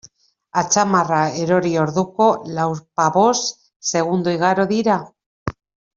Atzamarra erori orduko, lauzpabost segundo igaro dira?